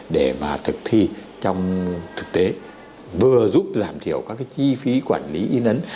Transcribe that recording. để mà thực thi trong thực tế vừa giúp giảm thiểu các cái chi phí quản lý y nấn